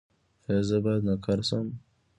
ایا زه باید نوکر شم؟